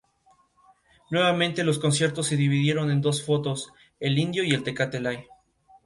Most Wanted ha recibido críticas altamente positivas por críticos profesionales.